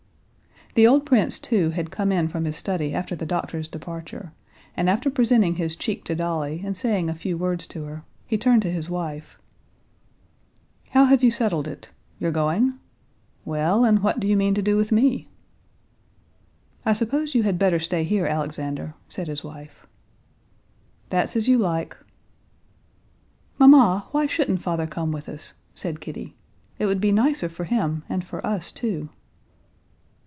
The old prince too had come in from his study after the doctor's departure, and after presenting his cheek to Dolly, and saying a few words to her, he turned to his wife: "How have you settled it? you're going? Well, and what do you mean to do with me?" "I suppose you had better stay here, Alexander," said his wife. "That's as you like." "Mamma, why shouldn't father come with us?" said Kitty. "It would be nicer for him and for us too."